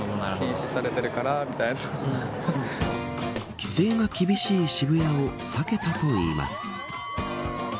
規制が厳しい渋谷を避けたといいます。